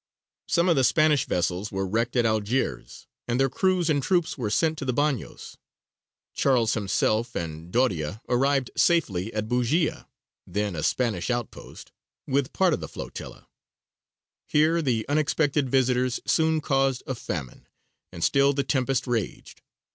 Some of the Spanish vessels were wrecked at Algiers, and their crews and troops were sent to the bagnios. Charles himself and Doria arrived safely at Bujēya then a Spanish outpost with part of the flotilla. Here the unexpected visitors soon caused a famine and still the tempest raged.